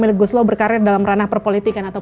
meli guslau berkarir dalam ranah perpolitikan atau